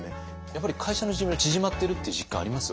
やっぱり会社の寿命縮まってるっていう実感あります？